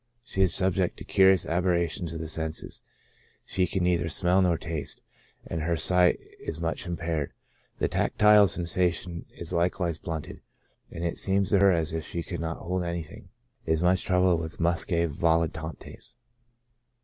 She is subject to curious aberrations of the senses ; she can neither smell nor taste, and her sight is much impaired ; the tactile sensation is likewise blunted, and it seems to her as if she could not hold anything ; is much troubled with muscae volitantes.